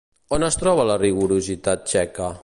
On es troba la rigorositat txeca?